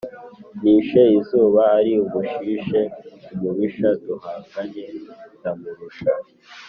Nishe izuba ari umushishe umubisha duhanganye ndamurusha